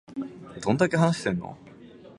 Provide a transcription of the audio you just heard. どんだけ話してんの